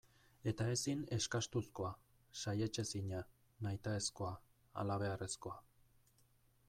Eta ezin eskastuzkoa, saihetsezina, nahitaezkoa, halabeharrezkoa.